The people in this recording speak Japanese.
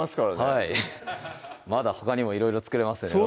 はいまだほかにもいろいろ作れますね